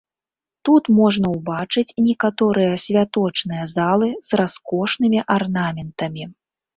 Тут можна ўбачыць некаторыя святочныя залы з раскошнымі арнаментамі.